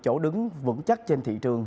chỗ đứng vững chắc trên thị trường